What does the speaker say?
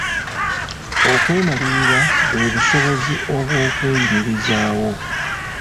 Okwemalirira bwe busobozi obw'okweyimirizaawo.